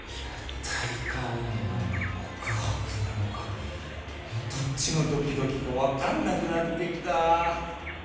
体温温度なのか告白なのか、どっちのドキドキなのか分からなくなってきた。